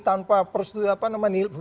tanpa persudahan apa namanya